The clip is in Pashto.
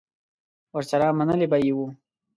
ورسره منلې به یې وه